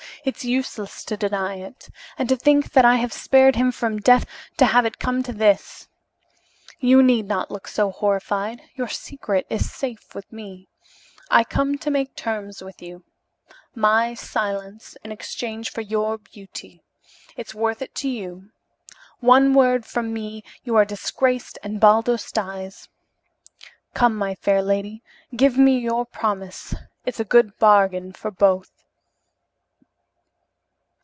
It's useless to deny it. And to think that I have spared him from death to have it come to this! You need not look so horrified. Your secret is safe with me. I come to make terms with you. My silence in exchange for your beauty. It's worth it to you. One word from me, you are disgraced and Baldos dies. Come, my fair lady, give me your promise, it's a good bargain for both."